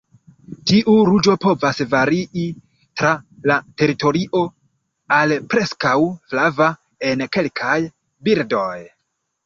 Tiu ruĝo povas varii tra la teritorio al preskaŭ flava en kelkaj birdoj.